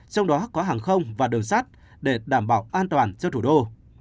trong đó có hàng không và đường sắt để đảm bảo an toàn cho thủ đô